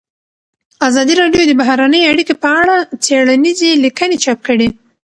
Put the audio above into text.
ازادي راډیو د بهرنۍ اړیکې په اړه څېړنیزې لیکنې چاپ کړي.